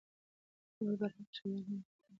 نور برحق شهیدان هم خپلوان نه لري.